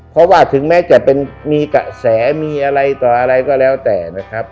เพราะว่าถึงแม้จะเป็นมีกระแสมีอะไรต่ออะไรก็แล้วแต่นะครับ